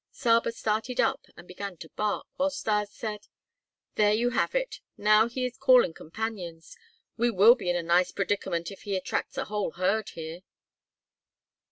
Saba started up and began to bark, while Stas said: "There you have it! Now he is calling companions. We will be in a nice predicament if he attracts a whole herd here."